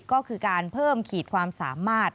ก็คือการเพิ่มขีดความสามารถ